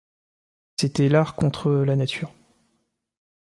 C’était l’art contre la nature.